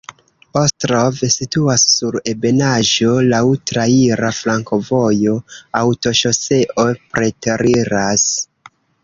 Ostrov situas sur ebenaĵo, laŭ traira flankovojo, aŭtoŝoseo preteriras.